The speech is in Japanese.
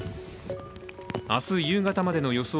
明日夕方までの予想